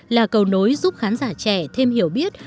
là cầu nối giúp khán giả trẻ thêm hiểu biết